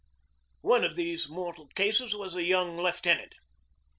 One of these mortal cases was a young lieutenant.